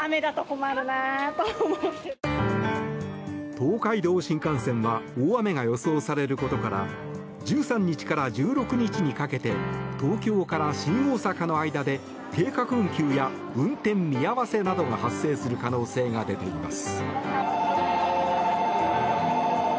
東海道新幹線は大雨が予想されることから１３日から１６日にかけて東京から新大阪の間で計画運休や運転見合わせなどが発生する可能性が出ています。